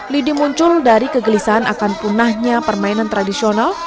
lidi muncul dari kegelisahan akan punahnya permainan tradisional